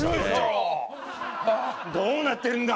どうなってるんだ